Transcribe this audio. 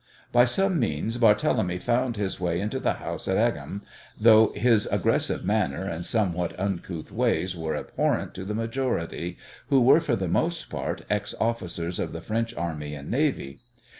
By some means Barthélemy found his way into the house at Egham, though his aggressive manner and somewhat uncouth ways were abhorrent to the majority, who were for the most part ex officers of the French Army and Navy.